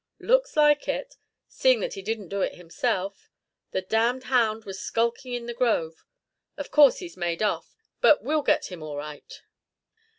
"Looks like it, seeing that he didn't do it himself. The damned hound was skulking in the grove. Of course he's made off, but we'll get him all right."